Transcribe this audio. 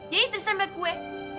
jadi tristan beli kue